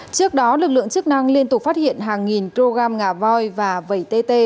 trước đó lực lượng chức năng liên tục phát hiện hàng nghìn program ngả voi và vẩy tt